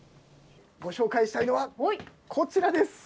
ご紹介したいのはこちらです！